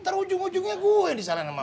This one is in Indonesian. ntar ujung ujungnya gue yang disalahin sama emak